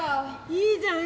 いいじゃん